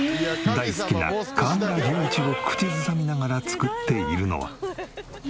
大好きな河村隆一を口ずさみながら作っているのは。